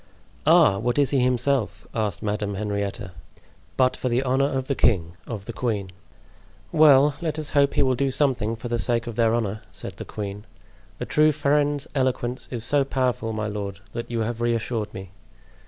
"Ah! what is he himself?" asked Madame Henrietta. "But for the honor of the king—of the queen." "Well, let us hope he will do something for the sake of their honor," said the queen. "A true friend's eloquence is so powerful, my lord, that you have reassured me.